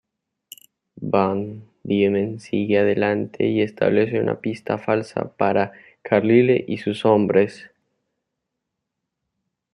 Van Diemen sigue adelante y establece una pista falsa para Carlyle y sus hombres.